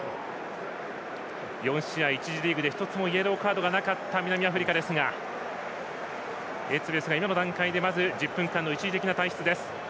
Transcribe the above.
４試合、１次リーグで１つもイエローカードがなかった南アフリカですがエツベスが今の段階で１０分間の一時的な退出です。